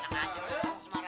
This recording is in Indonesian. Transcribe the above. aduh telat dong nih